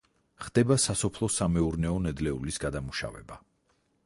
ხდება სასოფლო-სამეურნეო ნედლეულის გადამუშავება.